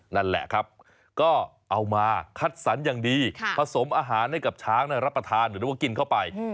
นั่นแหละครับก็เอามาคัดสรรอย่างดีผสมอาหารให้กับช้างรับประทานหรือว่ากินเข้าไป